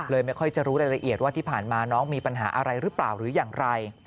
ไม่ค่อยจะรู้รายละเอียดว่าที่ผ่านมาน้องมีปัญหาอะไรหรือเปล่าหรืออย่างไร